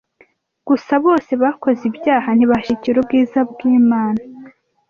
gusa bose bakoze ibyaha ntibashikira ubwiza bw’imana